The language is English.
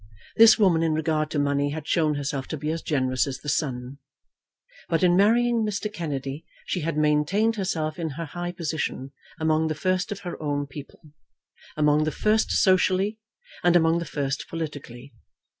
This woman in regard to money had shown herself to be as generous as the sun. But in marrying Mr. Kennedy she had maintained herself in her high position, among the first of her own people, among the first socially and among the first politically.